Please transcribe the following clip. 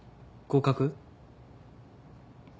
合格？